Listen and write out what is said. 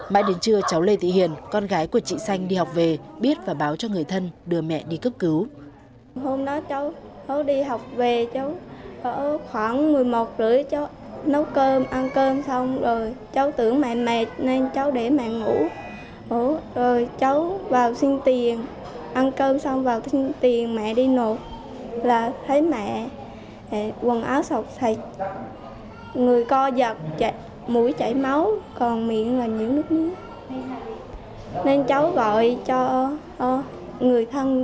mãi đến trưa cháu lê thị hiền con gái của chị xanh đi học về biết và báo cho người thân đưa mẹ đi cướp cứu